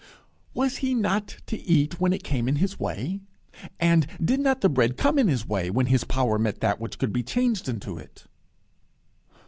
"Was he not to eat when it came in his way? And did not the bread come in his way, when his power met that which could be changed into it?"